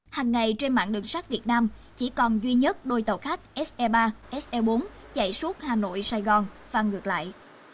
hằng ngày trên mạng đường sắt việt nam chỉ còn duy nhất đôi tàu khách se ba se bốn chạy suốt hà nội sài gòn phan ngược lại